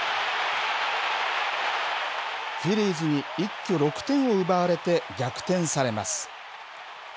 フィリーズに一挙６点を奪われて逆転されます。